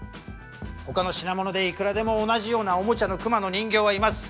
ほかの品物でいくらでも同じようなおもちゃの熊の人形はいます。